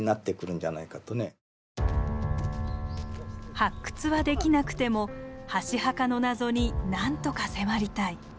発掘はできなくても箸墓の謎に何とか迫りたい。